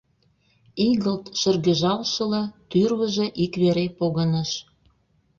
Игылт шыргыжалшыла, тӱрвыжӧ ик вере погыныш.